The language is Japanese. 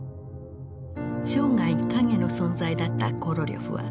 生涯影の存在だったコロリョフは